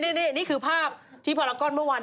นี่คือภาพที่พารากอนเมื่อวาน